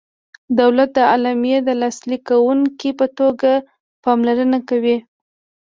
دولت د اعلامیې د لاسلیک کوونکي په توګه پاملرنه کوي.